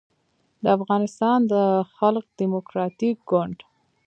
د افغانستان د خلق دیموکراتیک ګوند